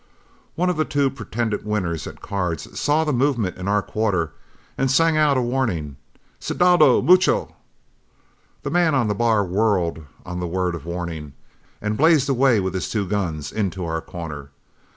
One of the two pretended winners at cards saw the movement in our quarter, and sang out as a warning, "Cuidado, mucho." The man on the bar whirled on the word of warning, and blazed away with his two guns into our corner.